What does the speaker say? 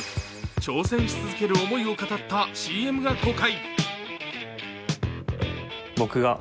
挑戦し続ける思いを語ったＣＭが公開。